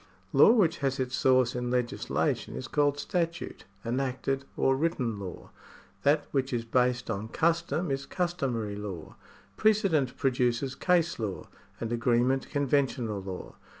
Law which has its source in legislation is called statute, enacted, or written law. That which is based on custom is customary law. Precedent produces case law, and agreement conventional law.